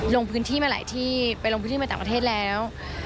ลงพื้นที่มาหลายที่ไปลงพื้นที่ไปต่างประเทศแล้ว